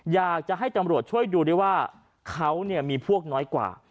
อยากจะให้ตำรวจช่วยดูด้วยว่าเขามีพวกน้อยกว่า